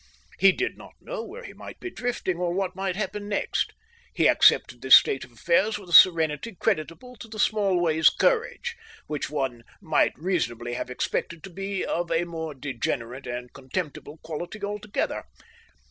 He did not know where he might be drifting, or what might happen next. He accepted this state of affairs with a serenity creditable to the Smallways' courage, which one might reasonably have expected to be of a more degenerate and contemptible quality altogether.